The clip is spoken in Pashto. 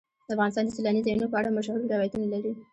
افغانستان د سیلاني ځایونو په اړه مشهور روایتونه لري.